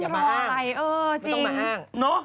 ไม่ต้องมาอ้าง